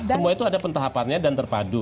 semua itu ada pentahapannya dan terpadu